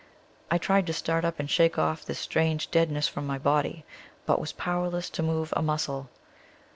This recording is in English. I tried to start up and shake off this strange deadness from my body, but was powerless to move a muscle.